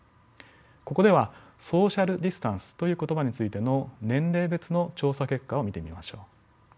ここではソーシャルディスタンスという言葉についての年齢別の調査結果を見てみましょう。